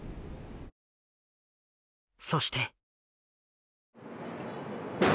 そして。